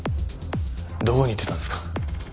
どこに行ってたんですか？